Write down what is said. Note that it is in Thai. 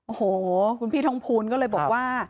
โอ้โหคุณพี่ทองภูลก็เลยบอกว่า